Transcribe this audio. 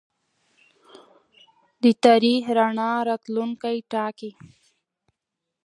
د تاریخ رڼا راتلونکی ټاکي.